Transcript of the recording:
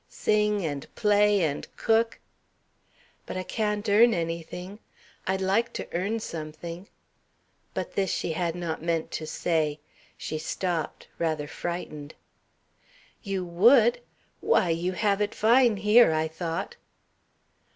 "Sing and play and cook " "But I can't earn anything. I'd like to earn something." But this she had not meant to say. She stopped, rather frightened. "You would! Why, you have it fine here, I thought."